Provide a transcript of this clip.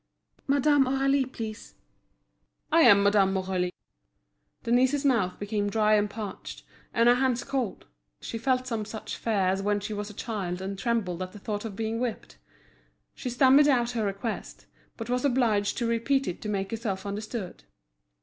"Madame Aurélie, please." "I am Madame Aurélie." Denise's mouth became dry and parched, and her hands cold; she felt some such fear as when she was a child and trembled at the thought of being whipped. She stammered out her request, but was obliged to repeat it to make herself understood.